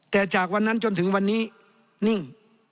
แต่จากวันนั้นจนถึงวันนี้นิ่ง